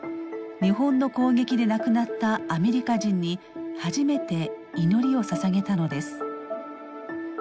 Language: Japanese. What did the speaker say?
日本の攻撃で亡くなったアメリカ人に初めて祈りをささげたのです。